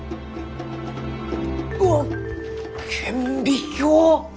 うわ顕微鏡！？